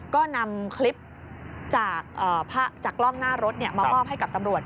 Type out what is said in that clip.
ก็นำคลิปจากกล้องหน้ารถมามอบให้กับตำรวจ